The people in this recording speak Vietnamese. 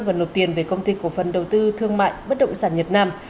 và nộp tiền về công ty cổ phần đầu tư thương mại bất động sản nhật nam